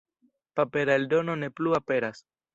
Papera eldono ne plu aperas.